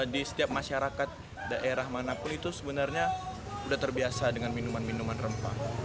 di setiap masyarakat daerah manapun itu sebenarnya sudah terbiasa dengan minuman minuman rempah